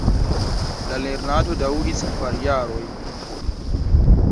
La lernado daŭris kvar jarojn.